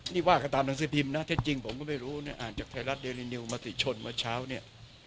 นี่ว่ากันตามหนังสือพิมพ์นะเท็จจริงผมก็ไม่รู้เนี่ยอ่านจากไทยรัฐเดรินิวมติชนเมื่อเช้าเนี่ย